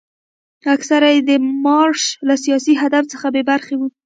اکثره یې د مارش له سیاسي هدف څخه بې خبره وو.